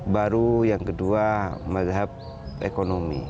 baru yang kedua madhab ekonomi